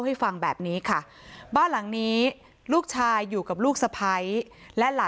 ให้ฟังแบบนี้ค่ะบ้านหลังนี้ลูกชายอยู่กับลูกสะพ้ายและหลาน